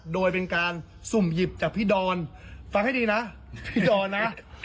โดยเป็นการสุ่มหยิบจากพี่ดอนฟังให้ดีนะพี่ดอนนะ